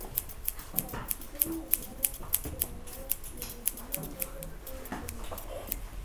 Participó en las Guerras Seminolas y recibió en ellas un ascenso.